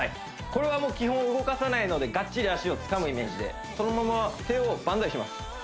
これはもう基本動かさないのでがっちり足をつかむイメージでそのまま手をバンザイします